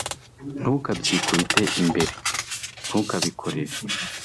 ntukabyikubite imbere ntukabikorere